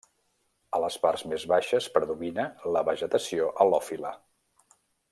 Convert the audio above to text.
A les parts més baixes predomina la vegetació halòfila.